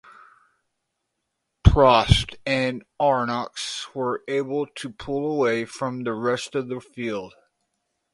Prost and Arnoux were able to pull away from the rest of the field.